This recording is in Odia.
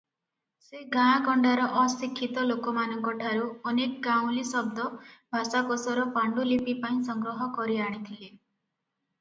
ସେ ଗାଆଁଗଣ୍ଡାର ଅଶିକ୍ଷିତ ଲୋକମାନଙ୍କଠାରୁ ଅନେକ ଗାଉଁଲି ଶବ୍ଦ ଭାଷାକୋଷର ପାଣ୍ଠୁଲିପି ପାଇଁ ସଂଗ୍ରହ କରିଆଣିଥିଲେ ।